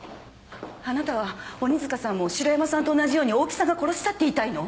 あなたは鬼塚さんも城山さんと同じように大木さんが殺したって言いたいの？